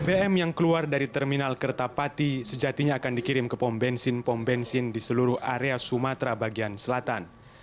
bbm yang keluar dari terminal kertapati sejatinya akan dikirim ke pom bensin pom bensin di seluruh area sumatera bagian selatan